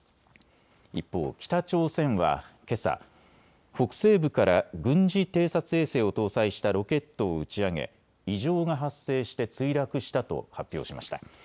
一方、北朝鮮はけさ、北西部から軍事偵察衛星を搭載したロケットを打ち上げ異常が発生して墜落したと発表しました。